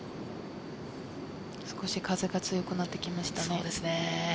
少し風が強くなってきましたね。